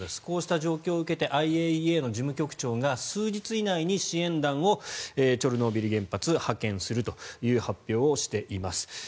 こうした状況を受けてＩＡＥＡの事務局長が数日以内に支援団をチョルノービリ原発に派遣するという発表をしています。